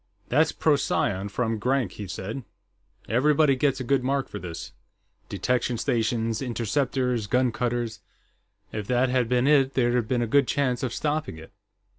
"That's Procyon, from Grank," he said. "Everybody gets a good mark for this detection stations, interceptors, gun cutters. If that had been it, there'd have been a good chance of stopping it."